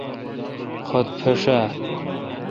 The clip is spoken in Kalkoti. خط پھݭ آ؟